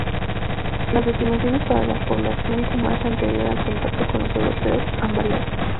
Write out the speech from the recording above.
Las estimaciones para las población chumash anterior al contacto con los europeos, han variado.